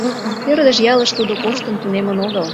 Ӧрдыж ялыш тудо коштын тунемын огыл.